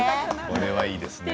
これはいいですね。